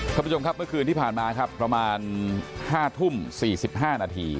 คำผู้ชมครับเมื่อคืนที่ผ่านมาครับประมาณห้าทุ่มสี่สิบห้านาที